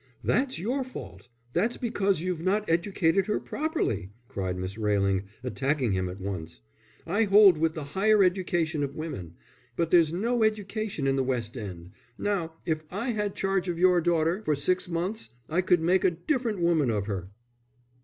"That's your fault; that's because you've not educated her properly," cried Miss Railing, attacking him at once. "I hold with the higher education of women. But there's no education in the West End. Now, if I had charge of your daughter for six months I could make a different woman of her."